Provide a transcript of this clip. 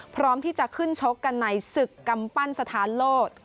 พร้อมที่จะขึ้นชกกันในศึกกำปั้นสถานโลศ